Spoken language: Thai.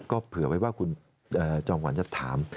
ก็เผื่อไว้ว่าคุณจอมขวัญจะถาม